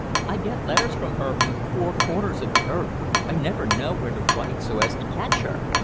I get letters from her from the four corners of the earth. I never know where to write so as to catch her."